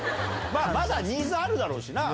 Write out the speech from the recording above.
まだニーズあるだろうしな。